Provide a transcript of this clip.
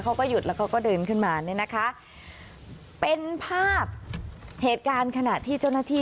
เขาก็หยุดแล้วเขาก็เดินขึ้นมาเนี่ยนะคะเป็นภาพเหตุการณ์ขณะที่เจ้าหน้าที่